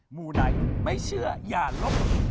หมูไหนไม่เชื่ออย่ารบ